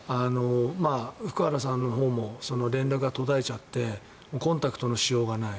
福原さんのほうも連絡が途絶えちゃってコンタクトのしようがない。